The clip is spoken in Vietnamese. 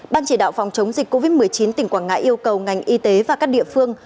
ban chỉ đạo phòng chống dịch covid một mươi chín tỉnh quảng ngãi yêu cầu ngành y tế và các địa phương